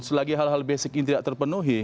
selagi hal hal basic ini tidak terpenuhi